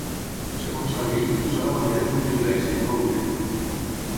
Segons la llei, usar la bandera és un privilegi, no un dret.